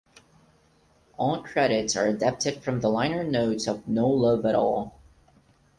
All credits are adapted from the liner notes of "No Love at All".